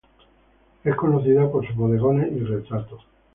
Es conocida por sus bodegones y retratos.